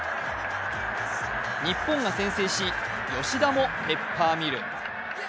日本が先制し、吉田もペッパーミル。